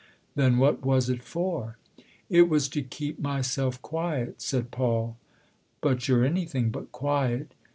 " Then what was it for ?"" It was to keep myself quiet," said Paul. " But you're anything but quiet."